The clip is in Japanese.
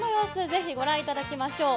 ぜひご覧いただきましょう。